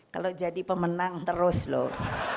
kalau jadi pemenang terus loh